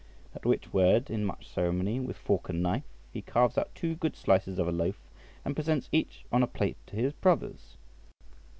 At which word, in much ceremony, with fork and knife, he carves out two good slices of a loaf, and presents each on a plate to his brothers.